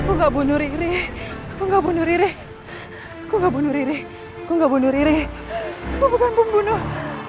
enggak bunuh riri enggak bunuh riri enggak bunuh riri enggak bunuh riri bukan pembunuh